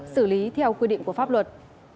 xử lý theo quy định của pháp luật